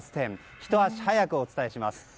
ひと足早くお伝えします。